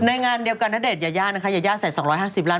ในงานเดียวกันณเดชน์ยายาใส่๒๕๐ล้าน